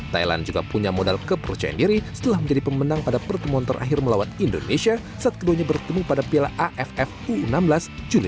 thailand juga punya modal kepercayaan diri setelah menjadi pemenang pada pertemuan terakhir melawan indonesia saat keduanya bertemu pada piala aff u enam belas juli dua ribu delapan belas